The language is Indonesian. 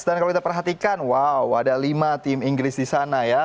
dan kalau kita perhatikan wow ada lima tim inggris di sana ya